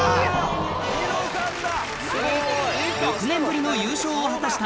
ニノさんだ。